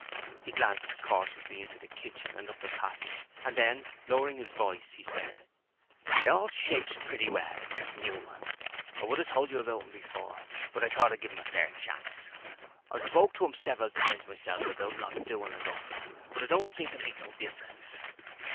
He glanced cautiously into the kitchen and up the passage and then, lowering his voice, he said: 'They all shapes pretty well, except Newman. I would 'ave told you about 'im before, but I thought I'd give 'im a fair chance. I've spoke to 'im several times myself about not doin' enough, but it don't seem to make no difference.'